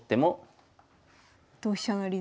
同飛車成で。